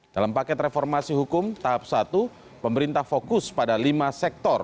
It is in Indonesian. dalam paket reformasi hukum tahap satu pemerintah fokus pada lima sektor